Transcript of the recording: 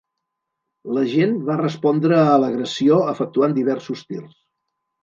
L'agent va respondre a l'agressió efectuant diversos tirs.